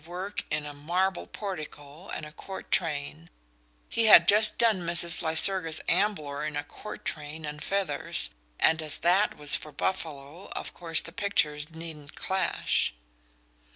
"work in" a marble portico and a court train: he had just done Mrs. Lycurgus Ambler in a court train and feathers, and as THAT was for Buffalo of course the pictures needn't clash.